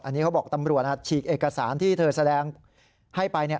อันนี้เขาบอกตำรวจฉีกเอกสารที่เธอแสดงให้ไปเนี่ย